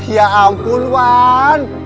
ya ampun wan